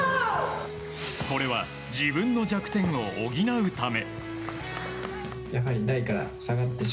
これは、自分の弱点を補うため。